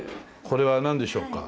これはなんでしょうか？